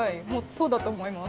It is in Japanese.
そうだと思います。